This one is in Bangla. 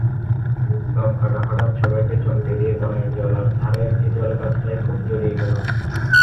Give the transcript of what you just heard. দমকাটা হঠাত্ সবাইকে চমকে দিয়ে বনের জলার ধারের হিজলগাছটায় খুব জড়িয়ে গেল।